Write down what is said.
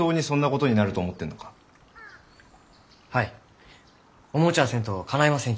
思うちゃあせんとかないませんきね。